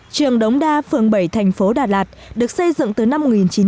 trường đống đa phường bảy tp đà lạt được xây dựng từ năm một nghìn chín trăm sáu mươi sáu